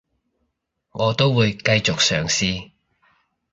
我都會繼續嘗試